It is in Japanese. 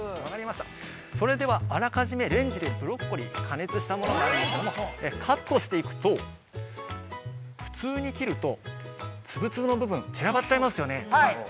◆それはあらかじめレンジでブロッコリーを加熱したものがあるんですけど、カットしていくと、普通に切るとツブツブの部分散らばっちゃいますよね。